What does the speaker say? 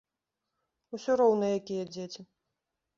Усё роўна якія дзеці.